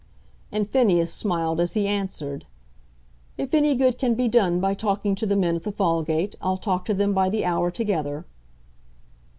And Phineas smiled as he answered, "If any good can be done by talking to the men at the Fallgate, I'll talk to them by the hour together."